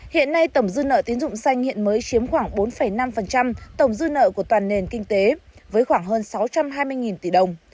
hiện nay tổng dư nợ tiến dụng xanh hiện mới chiếm khoảng bốn năm tổng dư nợ của toàn nền kinh tế với khoảng hơn sáu trăm hai mươi tỷ đồng